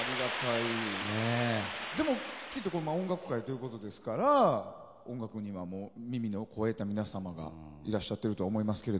でも音楽会ということですから音楽には耳のこえた皆様がいらっしゃっていると思いますが。